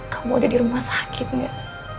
kamu ada di rumah sakit gak